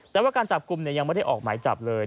แต่ว่าการจับกลุ่มยังไม่ได้ออกหมายจับเลย